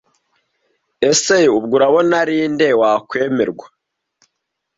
Ese ubwo urabona arinde wakwemerwa?